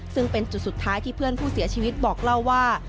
ซึ่งเป็นจุดสุดท้ายที่เพื่อนผู้เสียชีวิตบอกเล่าว่า